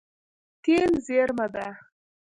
تېل زیرمه ده.